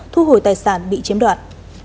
thu hồi tài sản bị chiếm đoạn